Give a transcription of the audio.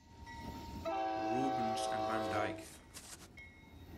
Rubens and van Dyck.